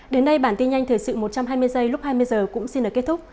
đến đây bản tin nhanh thời sự một trăm hai mươi giây lúc hai mươi h cũng xin được kết thúc